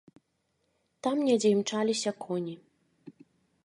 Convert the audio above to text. Там недзе імчаліся коні.